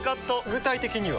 具体的には？